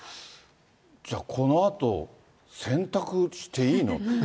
じゃあ、このあと洗濯していいの？